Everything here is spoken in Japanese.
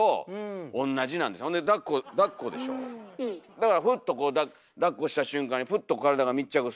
だからふっとこうだっこした瞬間にふっと体が密着する。